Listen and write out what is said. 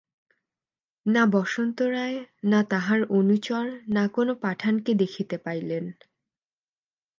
না বসন্ত রায়, না তাঁহার অনুচর, না কোন পাঠানকে দেখিতে পাইলেন।